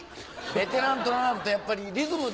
ベテランともなるとやっぱりリズムで。